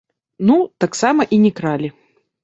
Ну, таксама і не кралі.